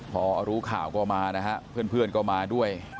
พอรู้ข่าวก็มานะฮะเพื่อนก็มาด้วย